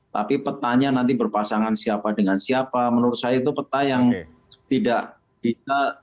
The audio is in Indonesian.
tapi petanya nanti berpasangan siapa dengan siapa menurut saya itu peta yang tidak bisa